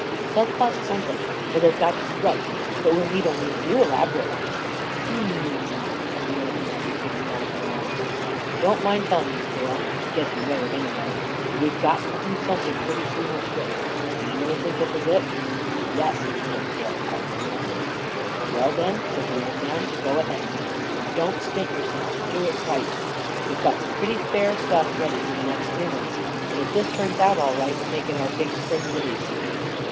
"They'll cost something for they've got to he right. But we'll need only a few elaborate ones." 44 Hum m m," said the old man, looking along his nose. " I don't mind telling you, Creel — I gue*s you know it, anyway — that we've got to do some thing pretty soon, or quit. Do you really think tl is is it?" " Yes," said Creel; " I really do." " Well, then," said the old man, " go ahead. Arid don't stint yourself. Do it right. We've got soifie pretty fair stuff ready for the next three months, ajid if this turns out all right, we'll make it our Dig spring release.